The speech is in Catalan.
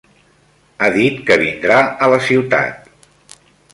Ha dit que vindrà a la ciutat.